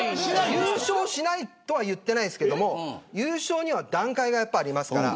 優勝しないとは言ってないですけど優勝には段階がやっぱりありますから。